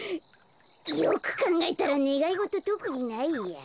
よくかんがえたらねがいごととくにないや。